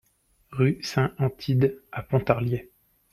Rue Saint-Antide à Pontarlier